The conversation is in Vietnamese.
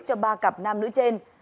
cho ba cặp nam nữ trên